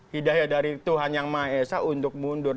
hidayah dari tuhan yang maha esa untuk mundur